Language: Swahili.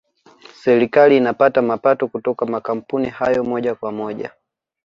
serikali inapata mapato kutoka makampuni hayo moja kwa moja